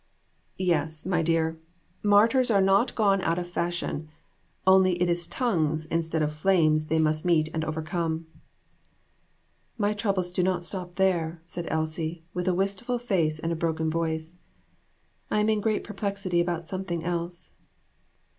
"Yes, my dear, martyrs are not gone out of AN EVENTFUL AFTERNOON. 30 I fashion ; only it is tongues instead of flames they must meet and overcome." " My troubles do not stop there," said Elsie, with a wistful face and broken voice ;" I am in great perplexity about something else.